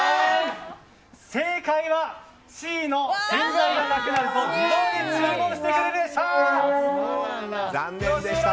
正解はＣの洗剤がなくなると自動で注文してくれるでした！